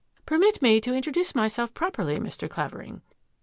" Permit me to introduce myself properly, Mr. Clavering."